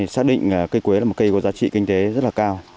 xác định cây quế là một cây có giá trị kinh tế rất là cao